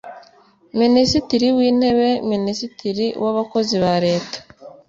Minisitiri w Intebe Minisitiri w Abakozi ba Leta